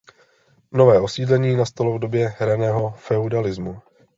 Nové osídlení nastalo v době raného feudalismu.